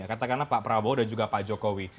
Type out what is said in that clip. katakanlah pak prabowo dan juga pak jokowi